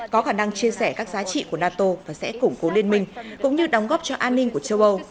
có khả năng chia sẻ các giá trị của nato và sẽ củng cố liên minh cũng như đóng góp cho an ninh của châu âu